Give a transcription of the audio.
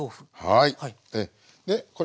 はい。